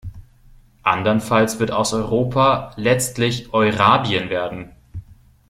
Andernfalls wird aus Europa letztlich Eurabien werden.